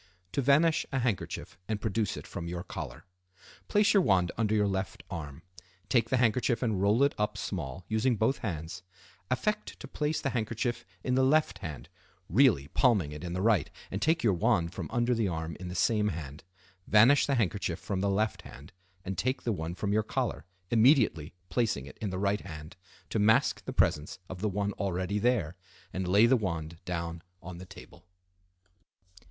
To Vanish a Handkerchief and Produce it from your Collar.—Place your wand under your left arm. Take the handkerchief and roll it up small, using both hands. Affect to place the handkerchief in the left hand, really palming it in the right, and take your wand from under the arm in the same hand. Vanish the handkerchief from the left hand, and take the one from your collar, immediately placing it in the right hand to mask the presence of the one already there, and lay the wand down on the table.